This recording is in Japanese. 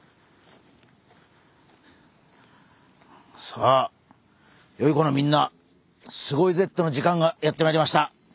さあよい子のみんな「すごいＺ！」の時間がやってまいりました。